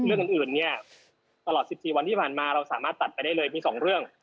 เรื่องอื่นเนี่ยตลอด๑๔วันที่ผ่านมาเราสามารถตัดไปได้เลยมี๒เรื่อง